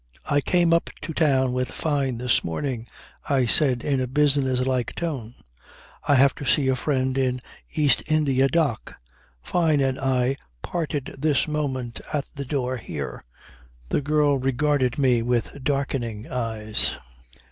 "I came up to town with Fyne this morning," I said in a businesslike tone. "I have to see a friend in East India Dock. Fyne and I parted this moment at the door here ..." The girl regarded me with darkening eyes